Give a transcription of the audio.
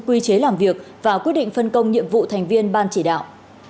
quy chế làm việc và quyết định phân công nhiệm vụ thành viên ban chỉ đạo